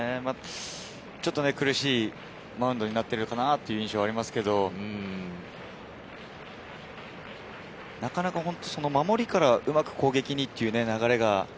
苦しいマウンドになっているかなという印象がありますけど、なかなか守りからうまく攻撃にという流れが。